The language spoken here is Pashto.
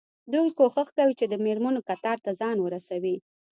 دوی کوښښ کوي چې د مېرمنو کتار ته ځان ورسوي.